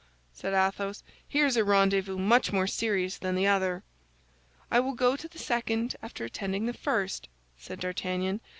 said Athos; "here's a rendezvous much more serious than the other." "I will go to the second after attending the first," said D'Artagnan.